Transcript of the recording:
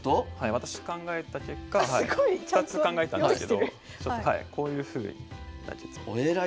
私考えた結果２つ考えたんですけどこういうふうに。